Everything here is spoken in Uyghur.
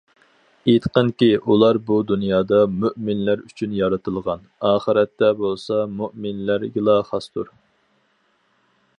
ئېيتقىنكى، «ئۇلار بۇ دۇنيادا مۇئمىنلەر ئۈچۈن يارىتىلغان، ئاخىرەتتە بولسا مۇئمىنلەرگىلا خاستۇر».